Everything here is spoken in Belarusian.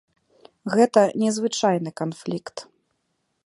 Гэта не звычайны канфлікт.